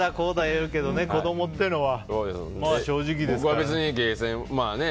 言うけど子供っていうのは正直ですよね。